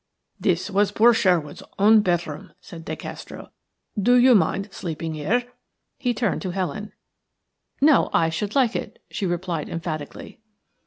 "This was poor Sherwood's own bedroom," said De Castro. "Do you mind sleeping here?" He turned to Helen. "No, I should like it," she replied, emphatically.